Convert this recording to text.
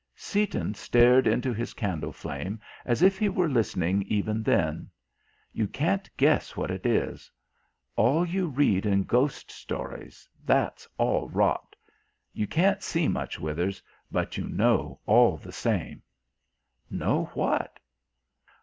Seaton stared into his candle flame as if he were listening even then. "You can't guess what it is. All you read in ghost stories, that's all rot. You can't see much, Withers, but you know all the same." "Know what?"